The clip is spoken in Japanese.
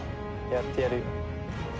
やってやるよ。